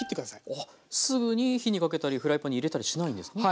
あっすぐに火にかけたりフライパンに入れたりしないんですね。